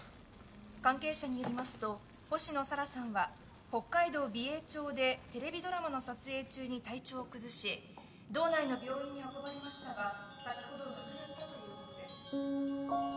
関係者によりますと星野沙羅さんは北海道美瑛町でテレビドラマの撮影中に体調を崩し道内の病院に運ばれましたが先ほど亡くなったということです。